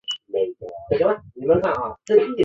彼拉多将其中的领袖与具有影响力的人处死。